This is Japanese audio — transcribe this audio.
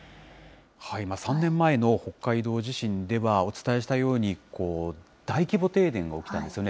３年前の北海道地震では、お伝えしたように、大規模停電が起きたんですよね。